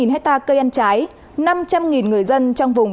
ba trăm sáu mươi hectare cây ăn trái năm trăm linh người dân trong vùng